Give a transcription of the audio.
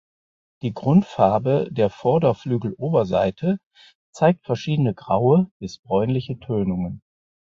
Die Grundfarbe der Vorderflügeloberseite zeigt verschiedene graue bis bräunliche Tönungen.